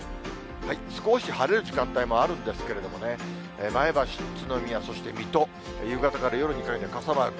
少し晴れる時間帯もあるんですけれどもね、前橋、宇都宮、そして水戸、夕方から夜にかけて傘マーク。